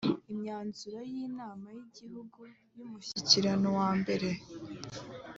imyanzuro y inama y igihugu y umushyikirano wa mbere